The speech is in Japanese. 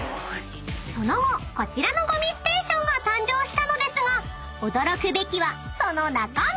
［その後こちらのゴミステーションが誕生したのですが驚くべきはその中身］